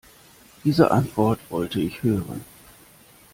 Diese Antwort wollte ich hören.